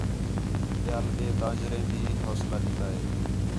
ٻِیال ٻئے تاجریں بھی حوصلہ ݙِتّا ہِے